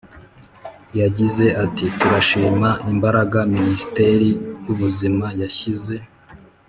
Yagize ati “Turashima imbaraga Minisiteri y’Ubuzima yashyize